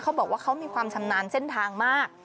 เขาบอกว่าเขามีความชำนาญเส้นทางมาก